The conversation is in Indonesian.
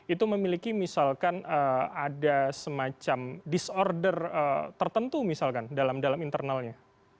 itu memiliki misalkan ada semacam disorder tertentu misalkan dalam internalnya